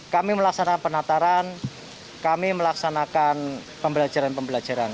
kami melaksanakan penataran kami melaksanakan pembelajaran pembelajaran